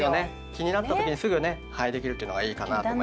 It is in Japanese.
気になった時にすぐねできるっていうのがいいかなと思います。